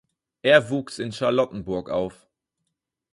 Er wuchs in Charlottenburg auf.